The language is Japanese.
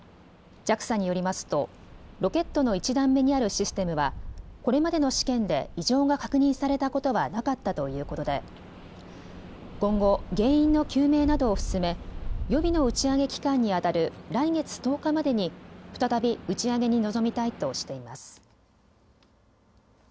ＪＡＸＡによりますとロケットの１段目にあるシステムはこれまでの試験で異常が確認されたことはなかったということで、今後、原因の究明などを進め予備の打ち上げ期間にあたる来月１０日までに再び打ち上げに臨みたいとしています。